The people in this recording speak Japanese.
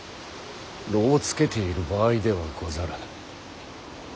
艪をつけている場合ではござらぬ。